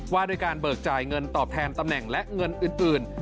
ว่าด้วยการเบิกจ่ายเงินตอบแทนตำแหน่งและเงินอื่น